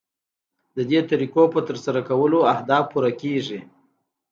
ددې طریقو په ترسره کولو اهداف پوره کیږي.